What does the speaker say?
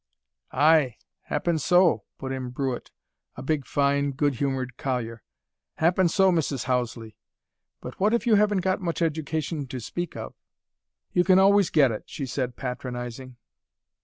"Ay, happen so," put in Brewitt, a big, fine, good humoured collier. "Happen so, Mrs. Houseley. But what if you haven't got much education, to speak of?" "You can always get it," she said patronizing.